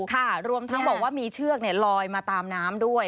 รวมทั้งบอกว่ามีเชือกลอยมาตามน้ำด้วย